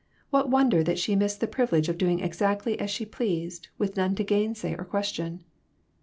What won der that she missed the privilege of doing exactly as she pleased, with none to gainsay or question